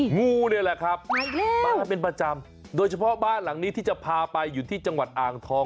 งูนี่แหละครับมาเป็นประจำโดยเฉพาะบ้านหลังนี้ที่จะพาไปอยู่ที่จังหวัดอ่างทอง